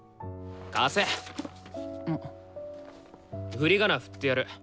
ふりがなふってやる。